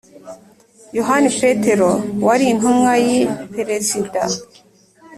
yohani petero wari intumwa y' perezida.